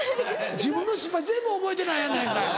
自分の失敗全部覚えてないやないかい。